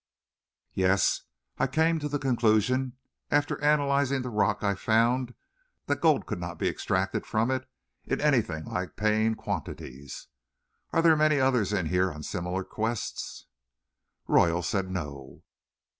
"Yes, I came to the conclusion, after analyzing the rock I found, that gold could not be extracted from it in anything like paying quantities. Are there many others in here on similar quests?" Royal said no.